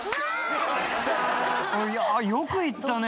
よく行ったね。